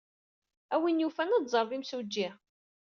A win yufan ad teẓreḍ imsujji.